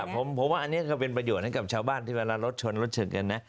ผมว่าอันนี้ก็เป็นประโยชน์ให้กับชาวบ้านที่เวลารถชนรถเฉินกันนะ